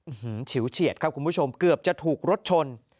ฉิวเฉียดครับคุณผู้ชมเกือบจะถูกรถชน